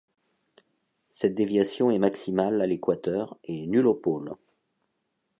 Cette déviation est maximale à l'équateur et nulle aux pôles.